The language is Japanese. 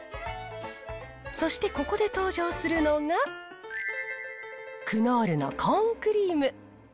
そしてここで登場するのが、クノールのコーンクリーム。